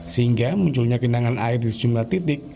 sehingga munculnya genangan air di sejumlah titik